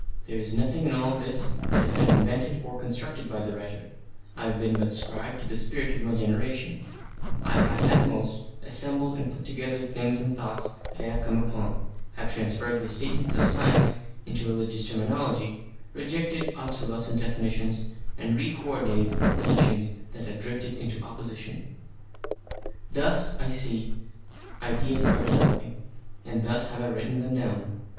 There is nothing in all this that has been invented or constructed by the writer; I have been but scribe to the spirit of my generation; I have at most assembled and put together things and thoughts that I have come upon, have transferred the statements of "science" into religious terminology, rejected obsolescent definitions, and re coordinated propositions that had drifted into opposition. Thus, I see, ideas are developing, and thus have I written them down.